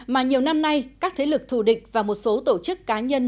mà nhiều năm nay các thế lực thù địch và một số tổ chức cá nhân